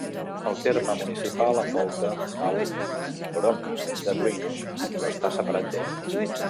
El terme municipal envolta el borough de Bruin, però està separat d'ell.